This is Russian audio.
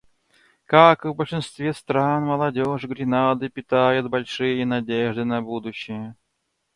Как и в большинстве стран, молодежь Гренады питает большие надежды на будущее.